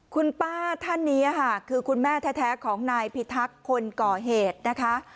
คุณป้าท่านนี้ค่ะคือคุณแม่แท้ของนายพิทักษ์คนก่อเหตุนะคะ